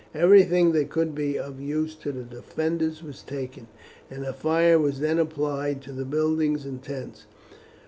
Everything that could be of use to the defenders was taken, and fire was then applied to the buildings and tents.